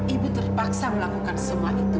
ibu terpaksa melakukan semua itu